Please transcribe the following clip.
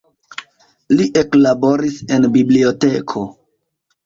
Li eklaboris en biblioteko.